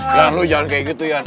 ya lu jangan kayak gitu yan